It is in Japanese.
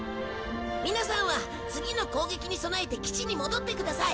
皆さんは次の攻撃に備えて基地に戻ってください。